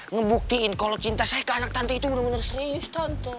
ngebuktiin kalau cinta saya ke anak tante itu benar benar serius tante